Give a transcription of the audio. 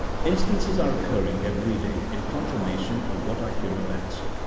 Instances are occurring every day in confirmation of what I here advance.